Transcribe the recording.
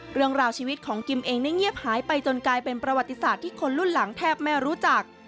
เรื่องราวชีวิตของกิมเองได้เงียบหายไปจนกลายเป็นประวัติศาสตร์ที่คนรุ่นหลังแทบไม่รู้จัก